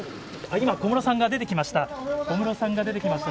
今、小室さんが出てきました。